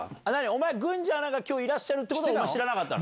お前、郡司アナがきょういらっしゃるってことは知らなかった？